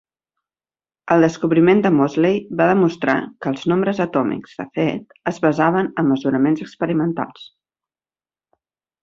El descobriment de Moseley va demostrar que els nombres atòmics, de fet, es basaven en mesuraments experimentals.